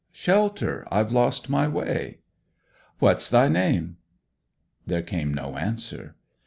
'Shelter. I've lost my way.' 'What's thy name?' There came no answer.